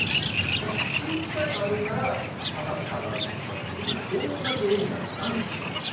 さっき地域差があるから価格差があるって言ったんだけど同じ海老名でなんで違うか。